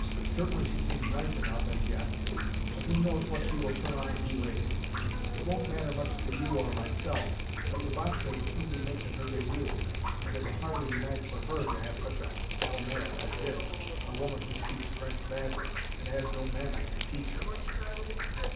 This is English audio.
Certainly she seems nice enough, as yet; but who knows what she will turn out to be later? It won't matter much to you or myself, but Lubotshka will soon be making her debut, and it will hardly be nice for her to have such a 'belle mere' as this a woman who speaks French badly, and has no manners to teach her."